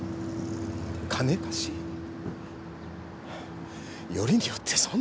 金貸し？よりによってそんな。